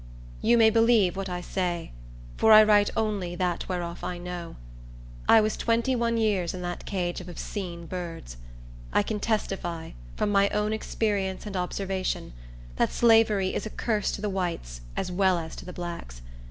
You may believe what I say; for I write only that whereof I know. I was twenty one years in that cage of obscene birds. I can testify, from my own experience and observation, that slavery is a curse to the whites as well as to the blacks.